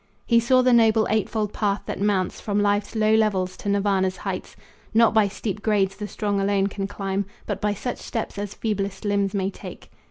He saw the noble eightfold path that mounts From life's low levels to Nirvana's heights. Not by steep grades the strong alone can climb, But by such steps as feeblest limbs may take.